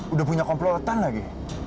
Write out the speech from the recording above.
udah punya komplotan lagi